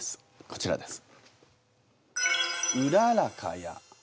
こちらです。